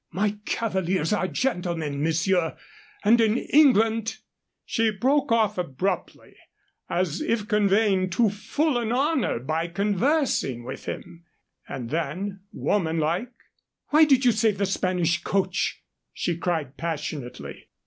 My cavaliers are gentlemen, monsieur, and in England " She broke off abruptly, as if conveying too full an honor by conversing with him; and then, woman like, "Why did you save the Spanish coach?" she cried, passionately.